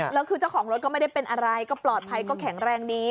แล้วคือเจ้าของรถก็ไม่ได้เป็นอะไรก็ปลอดภัยก็แข็งแรงดี